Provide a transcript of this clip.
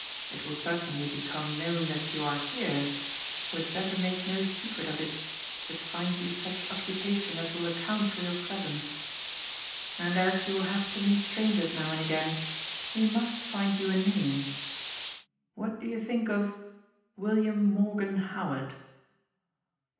It will certainly become known that you are here, so we had better make no secret of it, but find you such occupation as will account for your presence. And, as you will have to meet strangers now and again, we must find you a name. What do you think of 'William Morgan Howard'?"